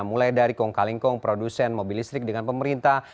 mulai dari kong kalingkong produsen mobil listrik dengan pemerintah